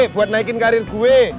buat naikin karir gue